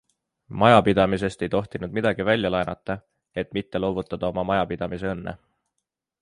Majapidamisest ei tohtinud midagi välja laenata, et mitte loovutada oma majapidamise õnne.